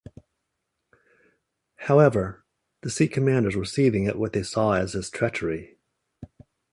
However, the Sikh commanders were seething at what they saw as his treachery.